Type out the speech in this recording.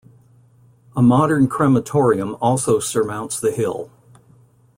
A modern crematorium also surmounts the hill.